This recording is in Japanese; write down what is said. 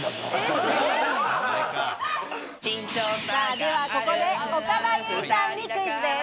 ではここで岡田結実さんにクイズです。